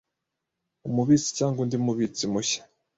Umubitsi cyangwa undi Mubitsi mushya